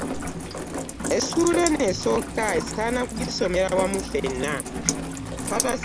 Essuula eno esooka esaana kugisomera wamu ffena.